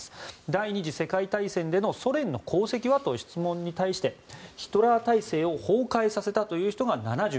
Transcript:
第２次世界大戦でのソ連の功績はという質問に対して、ヒトラー体制を崩壊させたという人が７４％。